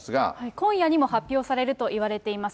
今夜にも発表されるといわれています。